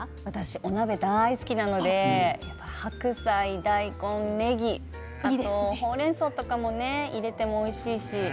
お鍋大好きなので白菜、大根、ねぎあとほうれんそうとかも入れてもおいしいし。